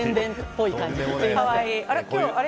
あれ？